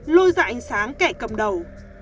lôi ra ánh sáng kẻ cầm đầu